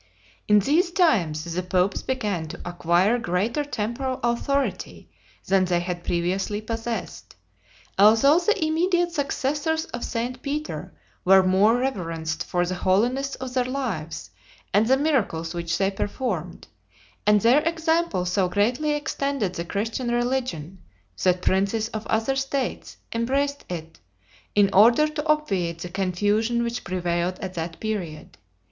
In these times the popes began to acquire greater temporal authority than they had previously possessed; although the immediate successors of St. Peter were more reverenced for the holiness of their lives, and the miracles which they performed; and their example so greatly extended the Christian religion, that princes of other states embraced it, in order to obviate the confusion which prevailed at that period.